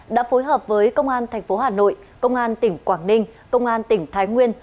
đã phối hợp với công an tp hà nội công an tỉnh quảng ninh công an tỉnh thái nguyên